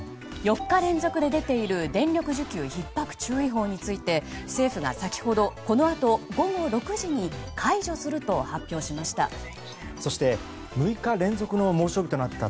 ４日連続で出ている電力需給ひっ迫注意報について政府が先ほどこのあと午後６時に解除すると発表しました。